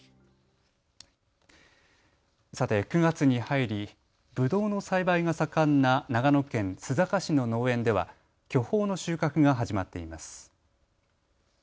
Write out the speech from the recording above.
さて９月に入り、ぶどうの栽培が盛んな長野県須坂市の農園では巨峰の収穫が始まっています。